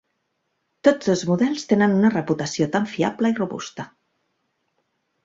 Tots dos models tenen una reputació tan fiable i robusta.